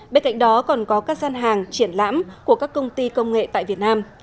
bên cạnh đó còn có các gian hàng triển lãm của các công ty công nghệ tại việt nam